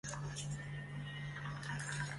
刚才看见幻觉了！